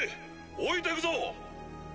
置いてくぞ！